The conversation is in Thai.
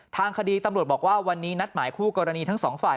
ทางคดีตำรวจบอกว่าวันนี้นัดหมายคู่กรณีทั้งสองฝ่าย